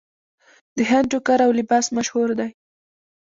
د هند ټوکر او لباس مشهور دی.